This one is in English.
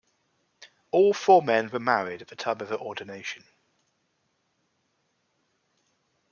All four men were married at the time of their ordination.